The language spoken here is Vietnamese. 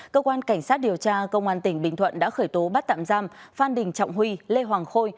cơ quan cảnh sát điều tra công an tỉnh bình thuận đã khởi tố bắt tạm giam phan đình trọng huy lê hoàng khôi